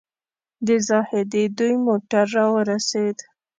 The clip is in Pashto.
د زاهدي دوی موټر راورسېد.